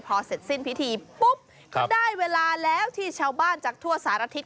พอเสร็จสิ้นพิธีปุ๊บก็ได้เวลาแล้วที่ชาวบ้านจากทั่วสารทิศ